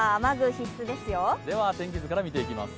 天気図から見ていきますよ。